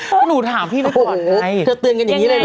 ว่าหนูถามพี่ได้ตอนนี้ไงคือเธอเตือนกันอย่างนี้เลย